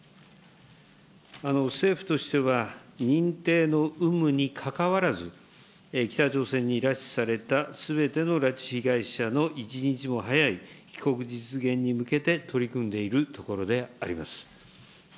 政府としては、認定の有無にかかわらず、北朝鮮に拉致されたすべての拉致被害者の一日も早い帰国実現に向けて取り組んでいるところであります。